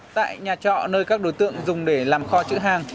tại nhà trọ nơi các đối tượng dùng để làm kho chữ hàng